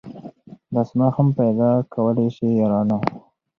بس ما هم پیدا کولای سی یارانو